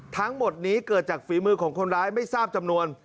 ทั้งหมดนี้เกิดจากฝีมือของคนร้ายไม่ทราบจำนวน